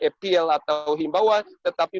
apl atau himbawan tetapi